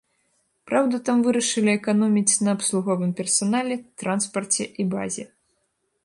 Праўда, там вырашылі эканоміць на абслуговым персанале, транспарце і базе.